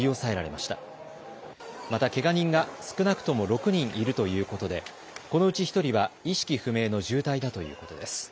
また、けが人が少なくとも６人いるということでこのうち１人は意識不明の重体だということです。